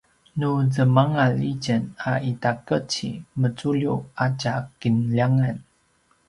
nu zemangal itjen a itaqeci mezulju a tja kinljangan